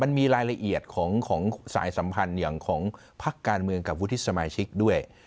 มันมีรายละเอียดของสายสัมพันธ์อย่างของพักการเมืองกับวุฒิสมาชิกด้วย